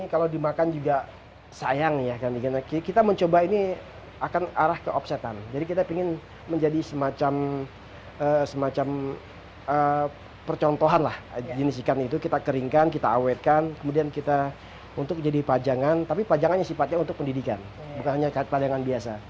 kalau dimakan juga sayang ya kita mencoba ini akan arah keopsetan jadi kita ingin menjadi semacam percontohan lah jenis ikan itu kita keringkan kita awetkan kemudian kita untuk jadi pajangan tapi pajangan yang sifatnya untuk pendidikan bukan hanya pajangan biasa